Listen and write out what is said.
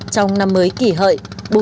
trong năm mới kỷ hợi